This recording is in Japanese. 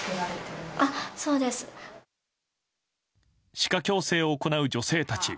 歯科矯正を行う女性たち。